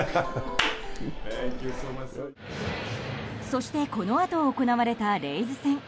そして、このあと行われたレイズ戦。